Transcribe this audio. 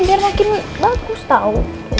biar makin bagus tau